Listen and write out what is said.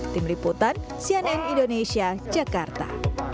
tim liputan cnn indonesia jakarta